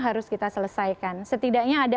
harus kita selesaikan setidaknya ada